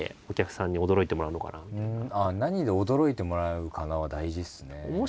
何で驚いてもらえるかなは大事っすね。